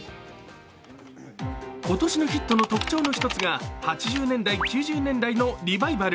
今年のヒットの特徴の１つが８０年代、９０年代のリバイバル。